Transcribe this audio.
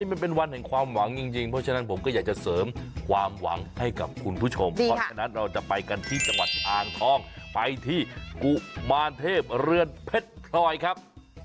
มันเป็นวันแห่งความหวังจริงเพราะฉะนั้นผมก็อยากจะเสริมความหวังให้กับคุณผู้ชมเพราะฉะนั้นเราจะไปกันที่จังหวัดอ่างทองไปที่กุมารเทพเรือนเพชรพลอยครับ